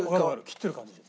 切ってる感じ。